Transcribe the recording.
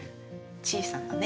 小さなね。